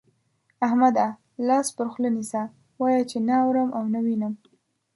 احمده! لاس پر خوله نيسه، وايه چې نه اورم او نه وينم.